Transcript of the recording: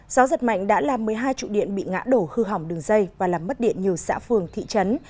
gió giật mạnh đã làm một mươi hai trụ điện bị ngã đổ hư hỏng đường dây và làm mất điện nhiều xã phường thị trấn